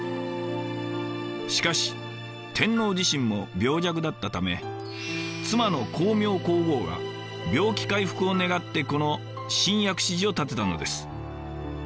しかし天皇自身も病弱だったため妻の光明皇后が病気回復を願ってこの新薬師寺を建てたのです。